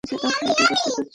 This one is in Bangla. আপনি কী করতে চাচ্ছেন?